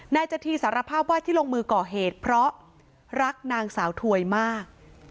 จธีสารภาพว่าที่ลงมือก่อเหตุเพราะรักนางสาวถวยมาก